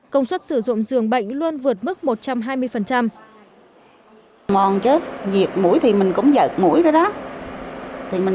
công suất sử dụng dường bệnh luôn vượt mức một trăm hai mươi